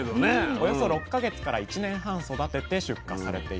およそ６か月から１年半育てて出荷されています。